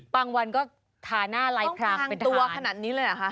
บางวันก็ทาหน้าไลฟรางไปทาน